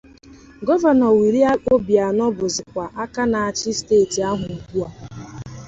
Gọvanọ Willie Obiano bụzịkwa aka na-achị steeti ahụ ugbua